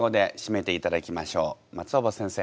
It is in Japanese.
松尾葉先生